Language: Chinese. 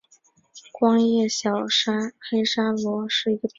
光叶小黑桫椤为桫椤科桫椤属下的一个变种。